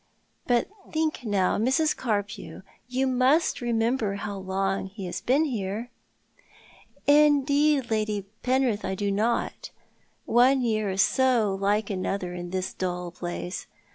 But, think, now, Mrs. Carpew— you must remem ber how long he has been here ?" "Indeed, Lady Penrith, I do not. One year is so like another in this dull place."